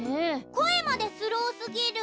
こえまでスローすぎる。